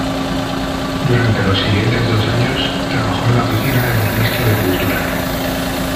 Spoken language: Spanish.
Durante los siguientes dos años, trabajó en la oficina del Ministro de Cultura.